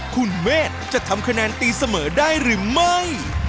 คุณเมฆจะทำคะแนนตีเสมอได้หรือไม่